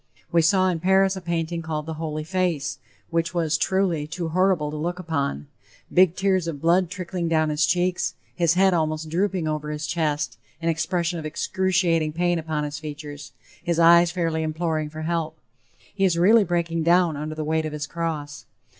We saw, in Paris, a painting called "The Holy Face," La Sainte Face, which was, truly, too horrible to look upon; big tears of blood trickling down his cheeks, his head almost drooping over his chest, an expression of excruciating pain upon his features, his eyes fairly imploring for help, he is really breaking down under the weight of his cross.